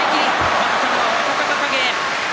勝ったのは若隆景。